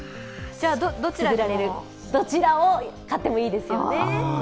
どちらを買ってもいいですよね。